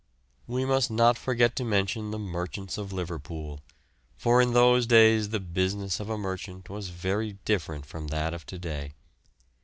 We must not forget to mention the merchants of Liverpool, for in those days the business of a merchant was very different from that of to day.